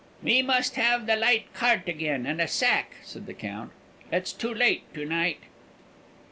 "We must have the light cart again, and a sack," said the Count. "It's too late to night."